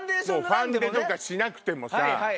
ファンデとかしなくてもさ。